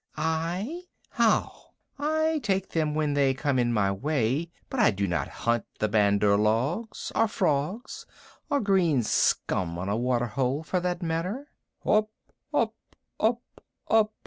"I? How? I take them when they come in my way, but I do not hunt the Bandar log, or frogs or green scum on a water hole, for that matter." "Up, Up! Up, Up!